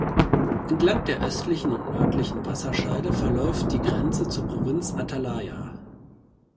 Entlang der östlichen und nördlichen Wasserscheide verläuft die Grenze zur Provinz Atalaya.